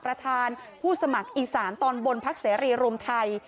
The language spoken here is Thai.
ประธานผู้สมัครอีสานตอนบนพักเสรีรวมไทย